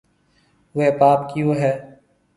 اوَي پاپ ڪيئو هيَ۔